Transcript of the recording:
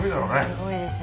すごいですね。